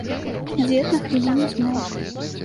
Дзед на хвіліну змоўк.